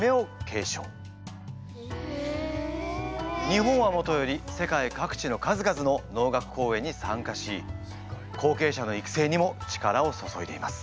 日本はもとより世界各地の数々の能楽公演に参加し後継者の育成にも力を注いでいます。